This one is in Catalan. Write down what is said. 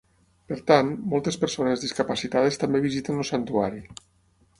Per tant, moltes persones discapacitades també visiten el santuari.